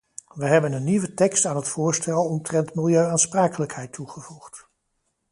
Wij hebben een nieuwe tekst aan het voorstel omtrent milieuaansprakelijkheid toegevoegd.